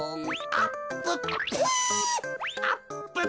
あっぷっぷ！